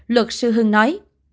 luật sư hưng nói